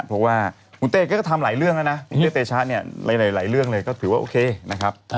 เพราะว่าคุณเต้ก็ทำหลายเรื่องแล้วนะพี่เตชะเนี่ยหลายเรื่องเลยก็ถือว่าโอเคนะครับ